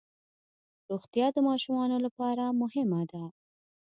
روغتیا د ماشومانو لپاره مهمه ده.